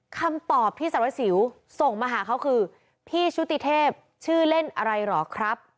คำตอบที่สารวัสสิวส่งมาหาเขาคือพี่ชุติเทพชื่อเล่นอะไรเหรอครับ